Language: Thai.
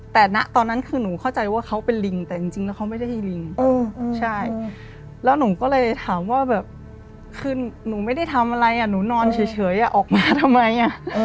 แต่ณตอนนั้นคือหนูเข้าใจว่าเขาเป็นลิงแต่จริงแล้วเขาไม่ได้ให้ลิงใช่แล้วหนูก็เลยถามว่าแบบคือหนูไม่ได้ทำอะไรหนูนอนเฉยออกมาทำไม